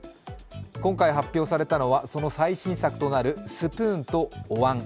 今回発表されたのは、その最新作となるスプーンとおわん。